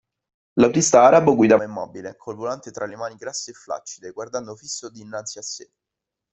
L'autista arabo guidava immobile, col volante tra le mani grasse e flaccide, guardando fisso dinanzi a sé.